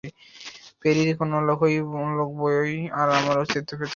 প্যারির কোনো লোকই বাইরে আর আমার অস্তিত্ব পেত না।